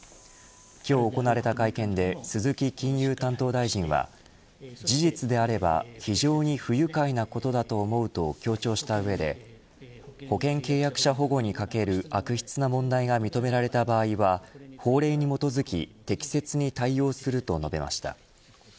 今日行われた会見で鈴木金融担当大臣は事実であれば非常に不愉快なことだと思うと強調した上で保険契約者保護に欠ける悪質な問題が認められた場合は法令に基づき適切に対応すると述べました。